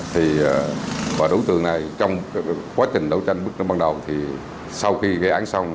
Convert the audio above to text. thì bà đối tượng này trong quá trình đấu tranh bước đến ban đầu thì sau khi gây án xong